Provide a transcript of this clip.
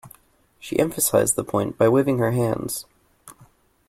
She emphasised the point by waving her hands.